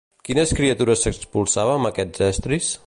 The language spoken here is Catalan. Quines criatures s'expulsava amb aquests estris?